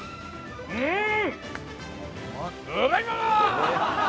うん！